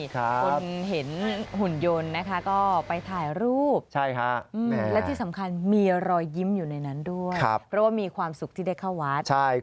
คนเห็นหุ่นยนต์นะคะก็ไปถ่ายรูปและที่สำคัญมีรอยยิ้มอยู่ในนั้นด้วยเพราะว่ามีความสุขที่ได้เข้าวัด